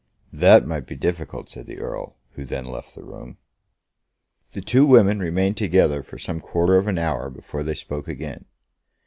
"That might be difficult," said the Earl, who then left the room. The two women remained together for some quarter of an hour before they spoke again.